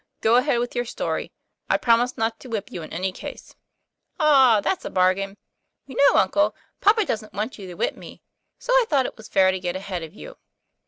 Go ahead with your story: I promise not to whip you in any case." ; 'Ah! that's a bargain. You know, uncle, papa doesn't want you to whip me; so I thought it was fair to get ahead of you.